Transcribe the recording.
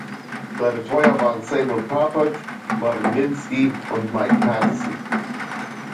Seine Betreuer waren Seymour Papert, Marvin Minsky und Mike Paterson.